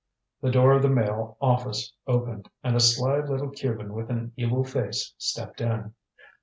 The door of the Mail office opened, and a sly little Cuban with an evil face stepped in.